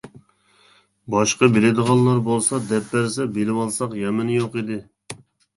باشقا بىلىدىغانلار بولسا دەپ بەرسە بىلىۋالساق يامىنى يوق ئىدى.